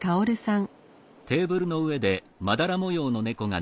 ん？